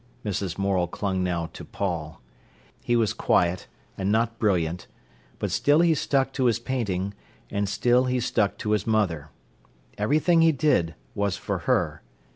Mrs. Morel clung now to Paul. He was quiet and not brilliant. But still he stuck to his painting, and still he stuck to his mother. Everything he did was for her.